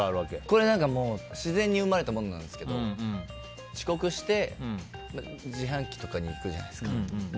これ、自然に生まれたものなんですけど遅刻して、自販機とかに行くじゃないですか。